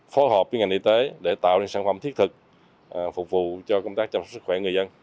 phối hợp với ngành y tế để tạo ra sản phẩm thiết thực phục vụ cho công tác chăm sóc sức khỏe người dân